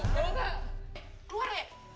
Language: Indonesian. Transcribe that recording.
selvi tengah kabur